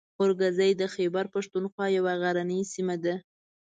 اورکزۍ د خیبر پښتونخوا یوه غرنۍ سیمه ده.